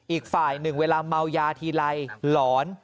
อีกฝ่าย๑เวลาเม้ายาทีไลหลอน